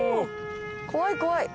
怖い怖い。